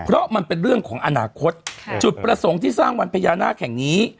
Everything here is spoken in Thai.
เพราะมันเป็นเรื่องของอนาคตจุดประสงค์ที่สร้างวันพญานาคแห่งนี้